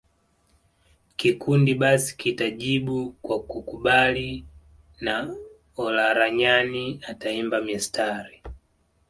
Kikundi basi kitajibu kwa kukubali na Olaranyani ataimba mistari